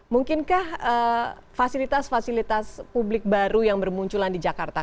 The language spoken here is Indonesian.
mungkinkah fasilitas fasilitas publik baru yang bermunculan di jakarta